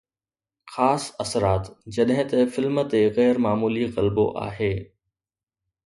خاص اثرات جڏهن ته فلم تي غير معمولي غلبو آهي